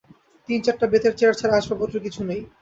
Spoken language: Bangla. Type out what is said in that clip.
তিন-চারটা বেতের চেয়ার ছাড়া আসবাব পত্র কিছু নেই।